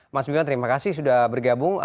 mas bima terima kasih sudah bergabung